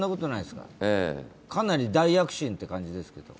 かなり大躍進って感じですけれども？